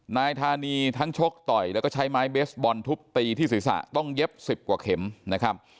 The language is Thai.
นายธานีทั้งชกต่อยแล้วก็ใช้ไม้เบสบอลทุบตีที่ศีรษะต้องเย็บ๑๐กว่าเข็มนะครับ